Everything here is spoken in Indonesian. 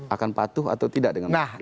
akan patuh atau tidak dengan putusan bawaslu